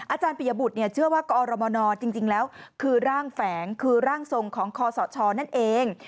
อาจารย์ปิยบุตรเชื่อว่ากอรมนจริงแล้วคือร่างแฝงคือร่างทรงของคอสชนั่นเอง